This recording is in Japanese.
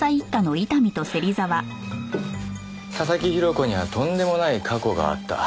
佐々木広子にはとんでもない過去があった。